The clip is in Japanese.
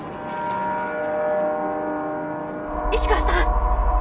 石川さん！